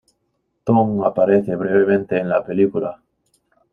Tong aparece brevemente en la película.